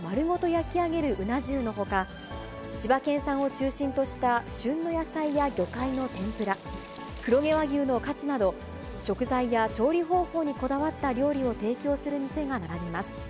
焼き上げるうな重のほか、千葉県産を中心とした旬の野菜や魚介の天ぷら、黒毛和牛のカツなど、食材や調理方法にこだわった料理を提供する店が並びます。